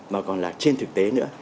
mà còn là trên thực tế